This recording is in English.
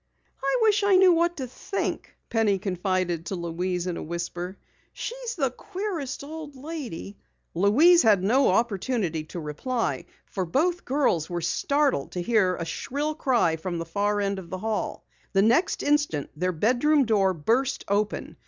"I wish I knew what to think," Penny confided to Louise in a whisper. "She's the queerest old lady " Louise had no opportunity to reply. For both girls were startled to hear a shrill cry from the far end of the hall. The next instant their bedroom door burst open.